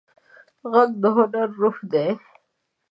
غږ د هنر روح دی